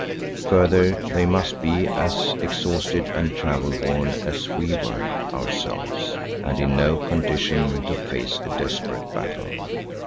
Further they must be as exhausted and travel worn as we were ourselves and in no condition to face a desperate battle.